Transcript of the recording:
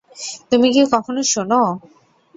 তুমি কি কখনো শোন?